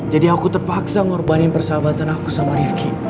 jadi aku terpaksa ngorbanin persahabatan aku sama rifqi